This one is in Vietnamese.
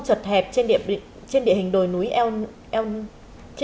trật hẹp trên địa hình